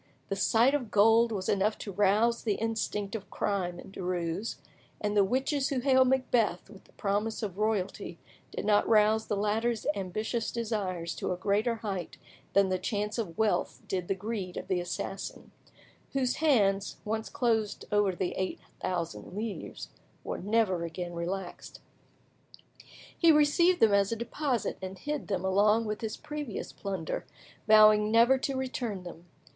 The sight of gold was enough to rouse the instinct of crime in Derues, and the witches who hailed Macbeth with the promise of royalty did not rouse the latter's ambitious desires to a greater height than the chance of wealth did the greed of the assassin; whose hands, once closed over the eight thousand livres, were never again relaxed. He received them as a deposit, and hid them along with his previous plunder, vowing never to return them.